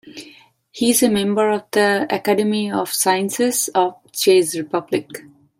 He is a member of the "Academy of Sciences of the Czech Republic".